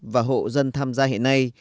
và hộ dân tham gia hiện nay